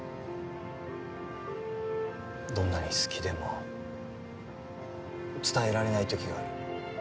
どんなに好きでも伝えられない時がある。